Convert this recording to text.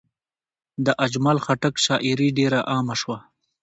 د اجمل خټک شاعري ډېر عامه شوه.